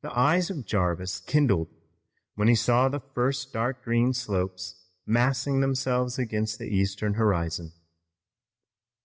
The eyes of Jarvis kindled when he saw the first line of dark green slopes massing themselves against the eastern horizon.